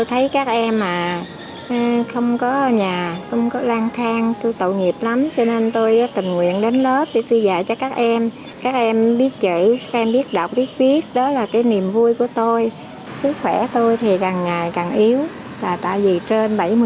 hãy đăng ký kênh để nhận thêm nhiều video mới nhé